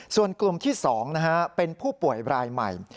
ส่วนกลุ่มที่๒เป็นผู้ป่วยรายใหม่